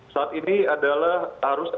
saat ini adalah harus